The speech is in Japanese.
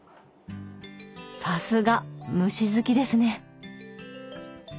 さすが虫好きですね。